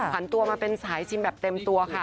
ันตัวมาเป็นสายชิมแบบเต็มตัวค่ะ